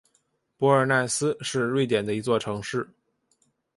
博尔奈斯是瑞典的一座城市。